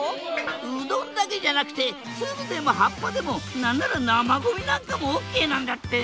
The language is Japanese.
うどんだけじゃなくてツルでも葉っぱでも何なら生ゴミなんかもＯＫなんだって！